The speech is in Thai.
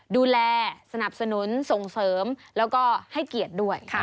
ดูแลสนับสนุนส่งเสริมแล้วก็ให้เกียรติด้วย